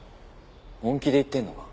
本気で言ってるのか？